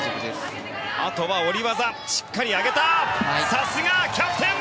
さすが！キャプテン！